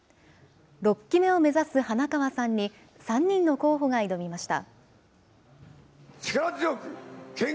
６期目を目指す花川さんに３人の候補が挑みました。